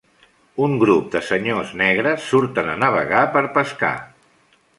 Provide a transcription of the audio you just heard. Un grup de senyors negres surten a navegar per pescar.